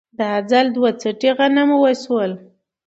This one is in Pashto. دا ځل دوه څټې غنم وشول